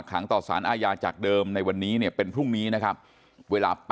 ครับที่นัดกันไว้อย่างนั้นครับ